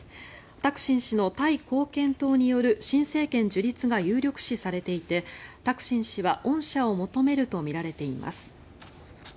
タクシン氏のタイ貢献党による新政権樹立が有力視されていて、タクシン氏は恩赦を求めるとみられています。